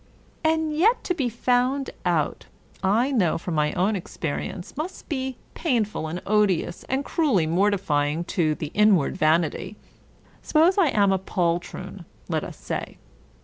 And yet to be found out, I know from my own experi ence, must be painful and odious, and cruelly mortifying to the inward vanity. Suppose I am a poltroon, let us say.